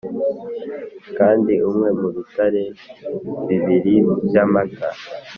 kandi unywe mu bitare bibiri byamata,